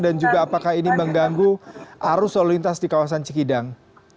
dan juga apakah ini mengganggu arus lalu lintas di kawasan cikidang